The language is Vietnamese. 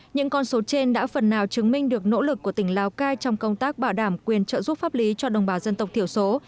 những con số trên đã phần nào chứng minh được nỗ lực của tỉnh lào cai trong công tác bảo đảm quyền trợ giúp pháp lý cho đồng bào dân tộc thiểu số